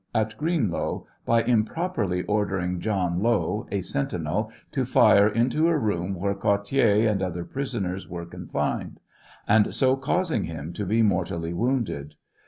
at Gveenlow, by impropeily ordering John Low, a sentinel, to fire into a room where Cottier and other prisoners were coniSned ; aud so causing him to be mortally wounded.